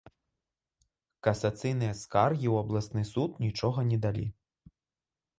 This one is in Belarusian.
Касацыйныя скаргі ў абласны суд нічога не далі.